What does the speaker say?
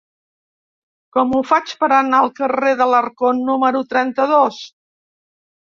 Com ho faig per anar al carrer d'Alarcón número trenta-dos?